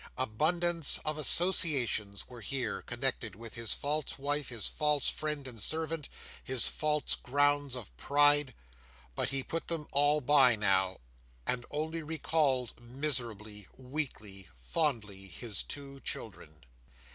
Abundance of associations were here, connected with his false wife, his false friend and servant, his false grounds of pride; but he put them all by now, and only recalled miserably, weakly, fondly, his two children.